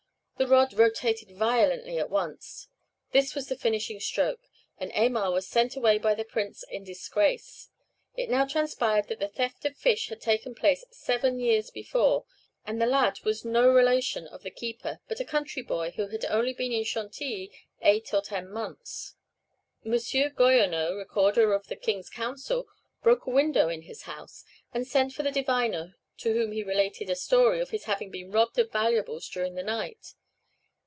The rod rotated violently at once. This was the finishing stroke, and Aymar was sent away by the Prince in disgrace. It now transpired that the theft of fish had taken place seven years before, and the lad was no relation of the keeper, but a country boy who had only been in Chantilly eight or ten months. M. Goyonnot, Recorder of the King's Council, broke a window in his house, and sent for the diviner, to whom he related a story of his having been robbed of valuables during the night.